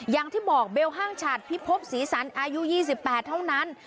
อย่างที่บอกเบลห้างฉัดพิภพศรีสรรค์อายุยี่สิบแปดเท่านั้น